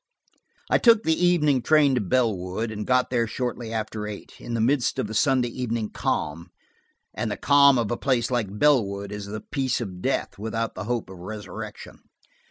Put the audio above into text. I took the evening train to Bellwood, and got there shortly after eight, in the midst of the Sunday evening calm, and the calm of a place like Bellwood is the peace of death without the hope of resurrection.